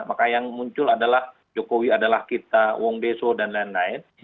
maka yang muncul adalah jokowi adalah kita wong beso dan lain lain